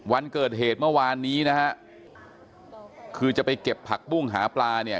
วันเกิดเหตุเมื่อวานนี้นะฮะคือจะไปเก็บผักบุ้งหาปลาเนี่ย